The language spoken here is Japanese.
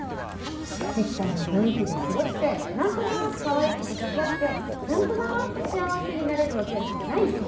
適当に雰囲気で過ごして何となくかわいい子と付き合って何となく幸せになれるわけないよ。